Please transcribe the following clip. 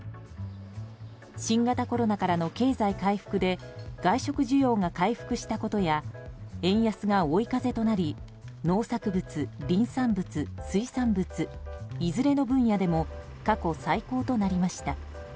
新型コロナからの経済回復で外食需要が回復したことや円安が追い風となり農作物、林産物、水産物いずれの分野でも過去最高となりました。